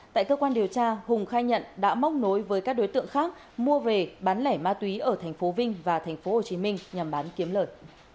tại cơ quan điều tra hùng khai nhận đã móc nối với các đối tượng khác mua về bán lẻ ma túy ở tp vinh và tp hồ chí minh nhằm bán kiếm lợi